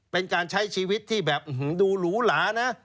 เป็นการใช้ชีวิตที่แบบดูหรูหลานะ